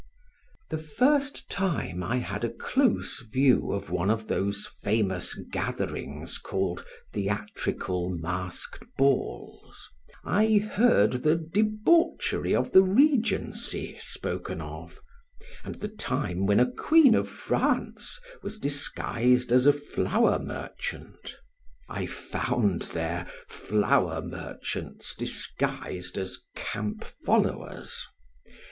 The first time I had a close view of one of those famous gatherings called theatrical masked balls I heard the debauchery of the Regency spoken of, and the time when a queen of France was disguised as a flower merchant. I found there flower merchants disguised as camp followers.